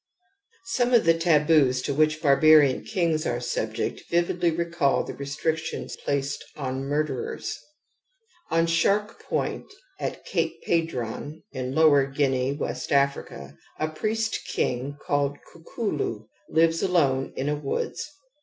^ Some of the taboos to which barbarian kings are subject vividly recall the restrictions placed on murderers. Qn Shark Point at Cape Padron in Lower Guinea (West Africa), a priest king called Kukulu lives alone in a woods.